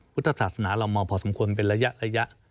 พุทธศาสนาเรามาพอสมควรเป็นระยะ